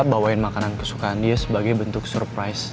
bawain makanan kesukaan dia sebagai bentuk surprise